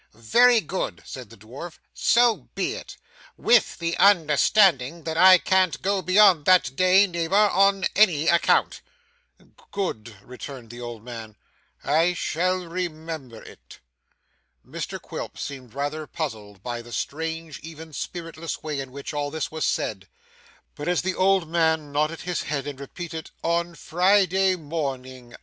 'Very good,' said the dwarf. 'So be it with the understanding that I can't go beyond that day, neighbour, on any account.' 'Good,' returned the old man. 'I shall remember it.' Mr Quilp seemed rather puzzled by the strange, even spiritless way in which all this was said; but as the old man nodded his head and repeated 'on Friday morning.